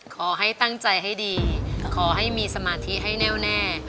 ขอให้ตั้งใจให้ดีขอให้มีสมาธิให้แน่วแน่